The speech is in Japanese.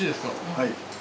はい。